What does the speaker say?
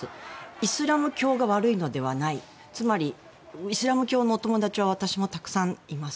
イスラム教が悪いのではないつまり、イスラム教のお友達は私もたくさんいます。